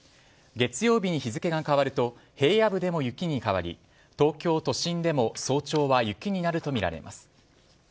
月曜日に日付が変わると平野部でも雪に変わり東京都心でも早朝は雪になるとみられます。